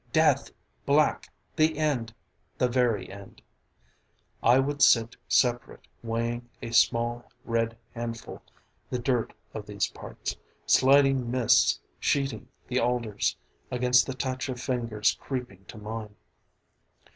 Death! Black. The end. The very end I would sit separate weighing a small red handful: the dirt of these parts, sliding mists sheeting the alders against the touch of fingers creeping to mine.